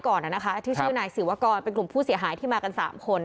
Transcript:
ก่อนนะคะที่ชื่อนายศิวากรเป็นกลุ่มผู้เสียหายที่มากัน๓คน